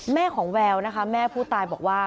แม่ของแววนะคะแม่ผู้ตายบอกว่า